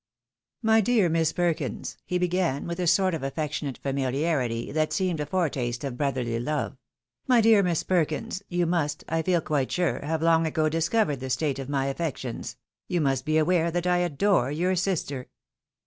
" My dear Miss Perkins, " he began, with a sort of affectionate familiarity that seemed a foretaste of brotherly love, " my dear Miss Perkins, you vaaat, I feel quite sure, have long ago disco vered the state of my affections — you must be aware that I adore your sister."